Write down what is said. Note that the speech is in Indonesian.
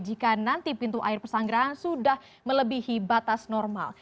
jika nanti pintu air pesanggerahan sudah melebihi batas normal